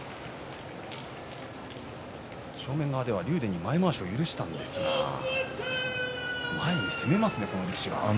正面側では竜電に前まわしを許したんですが前に攻めますね、この力士は。